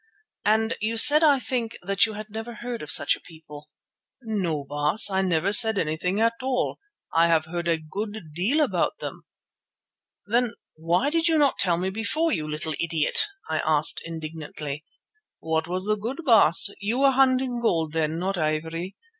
"And you said, I think, that you had never heard of such a people." "No, Baas, I never said anything at all. I have heard a good deal about them." "Then why did you not tell me so before, you little idiot?" I asked indignantly. "What was the good, Baas? You were hunting gold then, not ivory.